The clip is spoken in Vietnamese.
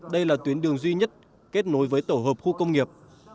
đây là tuyến đường duy nhất kết nối với tổ hợp khu công nghiệp